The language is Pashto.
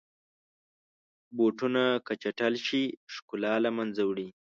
بوټونه که چټل شي، ښکلا له منځه وړي.